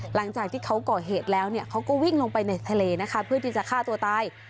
หลังจากที่เขาก่อเหตุแล้วเนี่ยเขาก็วิ่งลงไปในทะเลนะคะเพื่อที่จะฆ่าตัวตาย